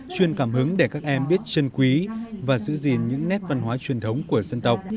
chuyên cảm hứng để các em biết chân quý và giữ gìn những nét văn hóa truyền thống của dân tộc